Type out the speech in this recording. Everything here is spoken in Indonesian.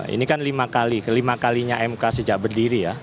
ini kan lima kali kelima kalinya mk sejak berdiri ya